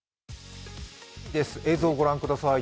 映像をご覧ください。